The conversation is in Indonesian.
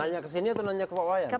nanya ke sini atau nanya ke pak wayan